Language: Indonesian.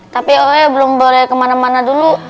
tapi oe belum boleh kemana mana dulu